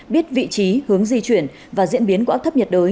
biết vị trí hướng di chuyển và diễn biến của áp thấp nhiệt đới